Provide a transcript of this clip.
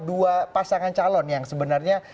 dua pasangan calon yang sebenarnya